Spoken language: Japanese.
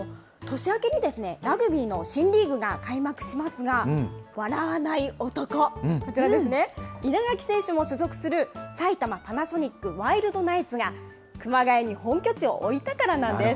年明けにラグビーの新リーグが開幕しますが、笑わない男、こちらですね、稲垣選手も所属する、埼玉パナソニックワイルドナイツが、熊谷に本拠地を置いたからなんです。